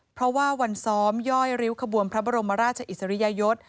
เพราะว่าวันซ้อมย่อยริ้วขบวนพระบรมราชอิสริยยศ